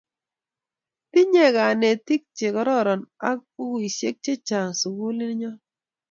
Tinye kanetik che kororon ak pukuisyek chechang' sukulit nyo